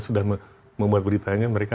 sudah membuat beritanya mereka